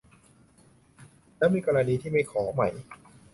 แล้วมีกรณีที่ไม่ขอไหม ?